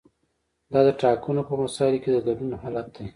دا د ټاکنو په مسایلو کې د ګډون حالت دی.